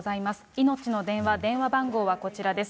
いのちの電話、電話番号はこちらです。